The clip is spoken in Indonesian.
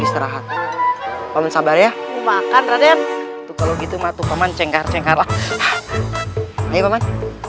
istirahat paman sabar ya makan raden kalau gitu matuk paman cengkar cengkar lah ini paman